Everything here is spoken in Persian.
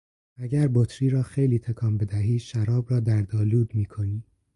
اگر بطری را خیلی تکان بدهی شراب را دردآلود میکنی.